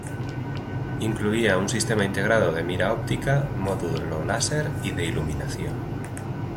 Incluía un sistema integrado de mira óptica, módulo láser y de iluminación.